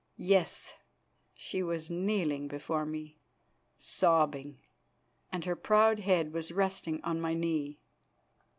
Yes, she was kneeling before me, sobbing, and her proud head was resting on my knee.